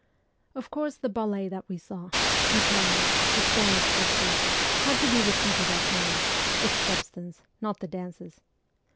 Of course the ballet that we saw ' Gitana,' the Spanish Gypsy had to be repeated at home ; its substance, not the dances.